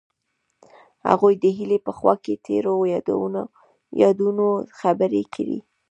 هغوی د هیلې په خوا کې تیرو یادونو خبرې کړې.